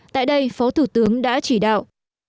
tại đây phó thủ tướng đã chỉ đạo